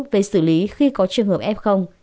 về xử lý khi có trường hợp f